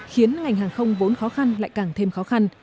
khiến ngành hàng không vốn khó khăn lại càng thêm khó khăn